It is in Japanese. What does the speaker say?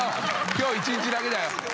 今日一日だけだよ。